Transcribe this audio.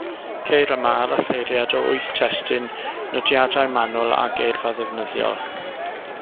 Ceir yma aralleiriad o wyth testun, nodiadau manwl a geirfa ddefnyddiol.